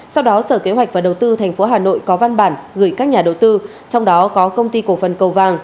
sau đó sở kế hoạch và đầu tư tp hà nội có văn bản gửi các nhà đầu tư trong đó có công ty cổ phần cầu vàng